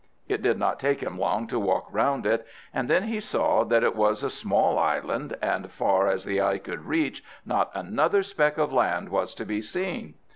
It did not take him long to walk round it; and then he saw that it was a small island, and far as the eye could reach not another speck of land was to be seen.